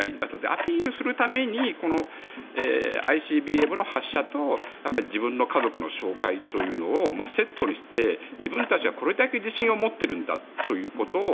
アピールするためにＩＣＢＭの発射と自分の家族の紹介というのをセットにして自分たちはこれだけ自信を持っているんだということを